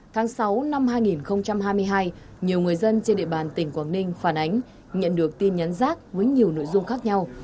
tháng sáu năm hai nghìn hai mươi hai nhiều người dân trên địa bàn tỉnh quảng ninh phản ánh nhận được tin nhắn rác với nhiều nội dung khác nhau